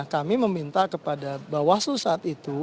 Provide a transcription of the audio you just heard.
kami meminta kepada bawah selu saat itu